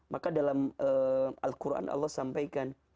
maka dalam al quran allah sampaikan